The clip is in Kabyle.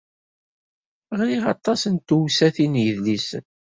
Ɣriɣ aṭas n tewsatin n yedlisen.